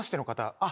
あっ。